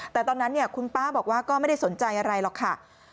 แต่ตอนนั้นคุณป้าบอกว่าก็ไม่ได้สนใจอะไรหรอกค่ะ